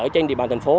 trên địa bàn thành phố